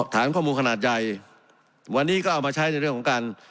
ฐานข้อมูลขนาดใหญ่วันนี้ก็เอามาใช้ในเรื่องของการ